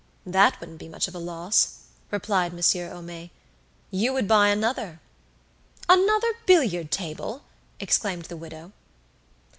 "That wouldn't be much of a loss," replied Monsieur Homais. "You would buy another." "Another billiard table!" exclaimed the widow.